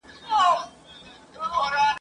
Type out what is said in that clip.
د رښتوني تړون په سترګه کتل کېدل